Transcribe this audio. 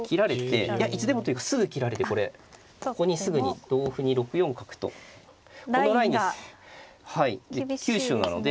いやいつでもというかすぐ切られてこれここにすぐに同歩に６四角とこのライン急所なので。